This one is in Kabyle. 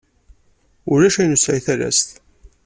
Ulac ayen ur nesɛi talast.